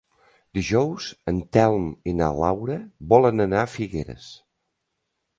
Dijous en Telm i na Laura volen anar a Figueres.